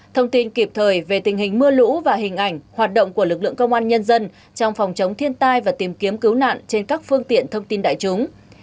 thông tin kịp thời về tình hình mưa lũ và hình ảnh hoạt động của lực lượng công an nhân dân trong phòng chống thiên tai và tìm kiếm cứu nạn trên các phương tiện thông tin đại chúng